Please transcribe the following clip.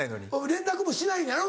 連絡もしないんやろ？